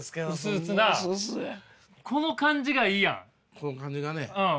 この感じがうん。